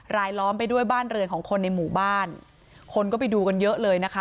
ล้อมไปด้วยบ้านเรือนของคนในหมู่บ้านคนก็ไปดูกันเยอะเลยนะคะ